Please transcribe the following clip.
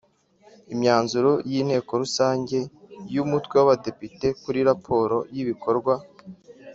Imyanzuro y Inteko rusange y Umutwe w Abadepite kuri raporo y ibikorwa